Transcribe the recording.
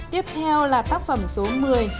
tiếp theo là tác phẩm số một mươi